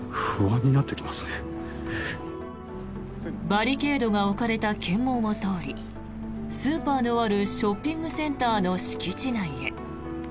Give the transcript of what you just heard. バリケードが置かれた検問を通りスーパーのあるショッピングセンターの敷地内へ。